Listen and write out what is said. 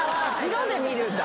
色で見るんだ。